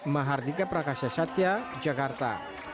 mahardika prakashasatya jakarta